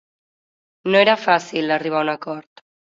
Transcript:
No era fàcil arribar a un acord.